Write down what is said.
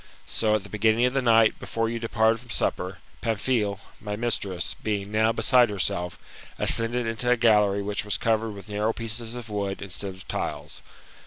So, at the beginning of the night, before you departed from supper, Famphile, my / 44 THE METAMORPHOSIS, OR mistress, being now beside herself, ascended into a gallery which was covered with narrow pieces of wood instead of tiles.